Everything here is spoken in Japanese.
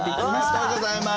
ありがとうございます！